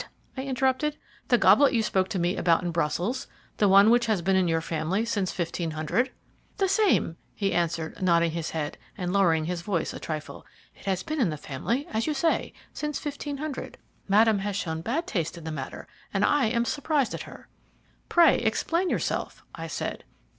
I interrupted, "the goblet you spoke to me about in Brussels, the one which has been in your family since 1500?" "The same," he answered, nodding his head, and lowering his voice a trifle. "It has been in the family, as you say, since 1500. Madame has shown bad taste in the matter, and I am surprised at her." "Pray explain yourself," I said.